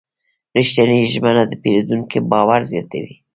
رښتینې ژمنه د پیرودونکي باور زیاتوي.